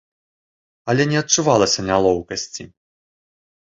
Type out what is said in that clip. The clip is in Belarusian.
Але не адчувалася нялоўкасці.